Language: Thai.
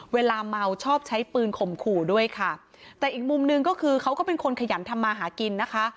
เวลาเมาชอบใช้ปืนข่มขู่ด้วยค่ะแต่อีกมุมหนึ่งก็คือเขาก็เป็นคนขยันทำมาหากินนะคะ